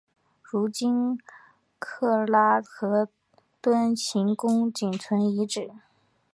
如今喀喇河屯行宫仅存遗址。